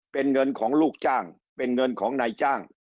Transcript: เป็นเงินของลูกจ้างเป็นเงินของนายจ้าง